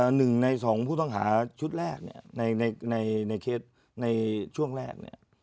หนึ่งใน๒ผู้ต้องหาชุดแรกในเคสในช่วงแรก